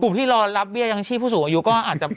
ที่รอรับเบี้ยยังชีพผู้สูงอายุก็อาจจะ